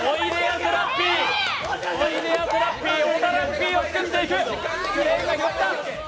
おいでやすラッピー、小田ラッピーを救っていく。